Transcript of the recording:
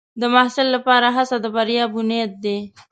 د محصل لپاره هڅه د بریا بنیاد دی.